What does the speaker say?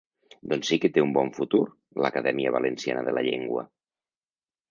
Doncs sí que té un bon futur, l'Acadèmia Valenciana de la Llengua!